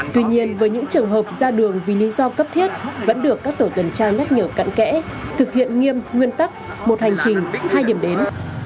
tuy nhiên với những trường hợp ra đường vì lý do cấp thiết vẫn được các tổ tuần tra nhắc nhở cận kẽ thực hiện nghiêm nguyên tắc một hành trình hai điểm đến